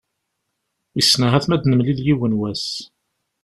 Wissen ahat m'ad d-nemlil yiwen wass?